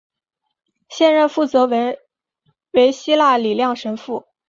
现任负责人为希腊人李亮神父。